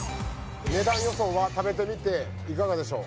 値段予想は食べてみていかがでしょう？